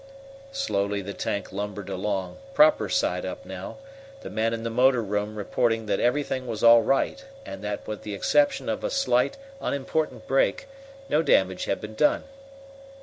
Slowly the tank lumbered along, proper side up now, the men in the motor room reporting that everything was all right, and that with the exception of a slight unimportant break, no damage had been done.